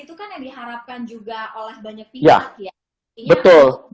itu kan yang diharapkan juga oleh banyak pihak ya